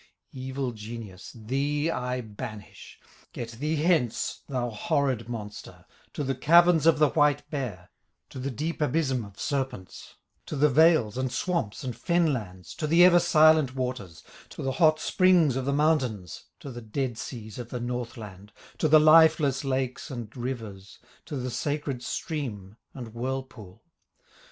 "Evil genius, thee I banish, Got thee hence, thou horrid monster, To the caverns of the white bear, To the deep abysm of serpents, To the vales, and swamps, and fenlands, To the ever silent waters, To the hot springs of the mountains, To the dead seas of the Northland, To the lifeless lakes and rivers, To the sacred stream and whirlpool.